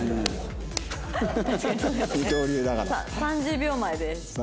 さあ３０秒前です。